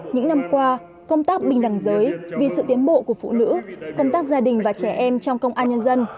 những năm qua công tác bình đẳng giới vì sự tiến bộ của phụ nữ công tác gia đình và trẻ em trong công an nhân dân